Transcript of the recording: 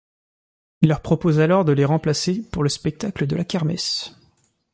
Ils leur proposent alors de les remplacer pour le spectacle de la kermesse.